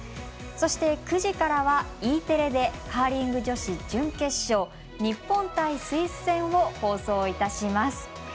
そして、９時からはＥテレでカーリング女子準決勝日本対スイス戦を放送いたします。